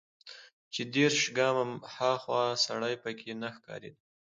چې دېرش ګامه ها خوا سړى پکښې نه ښکارېده.